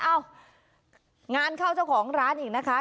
เอ้างานเข้าเจ้าของร้านอีกนะคะ